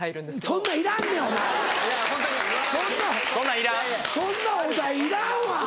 そんなんいらんわ！